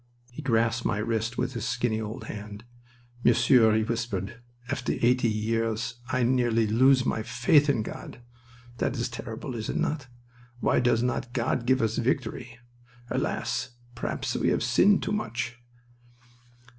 He grasped my wrist with his skinny old hand. "Monsieur," he whispered, "after eighty years I nearly lose my faith in God. That is terrible, is it not? Why does not God give us victory? Alas! perhaps we have sinned too much!"